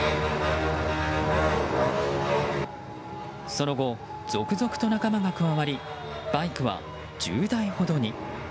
その後、続々と仲間が加わりバイクは１０台ほどに。